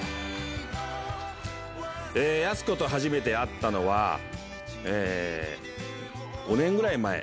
やす子と初めて会ったのは、えー、５年くらい前。